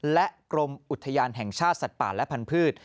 และกรมอุทยานแห่งชาติสัตว์ป่าและพันธุ์